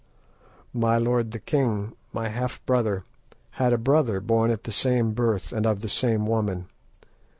"My lord the king, my half brother, had a brother born at the same birth, and of the same woman.